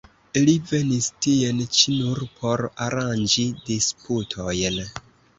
Li venis tien ĉi nur por aranĝi disputojn.